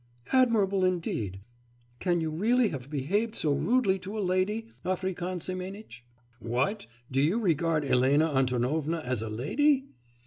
'Admirable, indeed! Can you really have behaved so rudely to a lady, African Semenitch?' 'What! Do you regard Elena Antonovna as a lady?